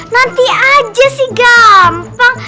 nanti aja sih gampang